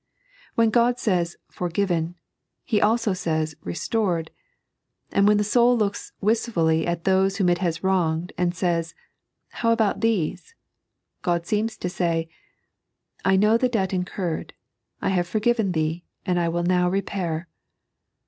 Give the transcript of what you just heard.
When God says forgitten. He also saye realored ; and when the soul looks wistfully at those whom it has wronged, and saj^s :" How about these ?" God seems to say :" I know the debt incurred ; I have forgiven thee, and I will now repair."